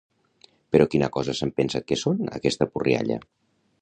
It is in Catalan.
Però quina cosa s'han pensat que són, aquesta purrialla?